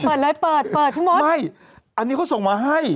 เป็นการกระตุ้นการไหลเวียนของเลือด